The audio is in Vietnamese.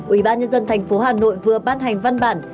ubnd tp hà nội vừa ban hành văn bản